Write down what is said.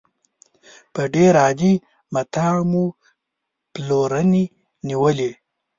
په ډېر عادي متاع مو پلورنې نېولې.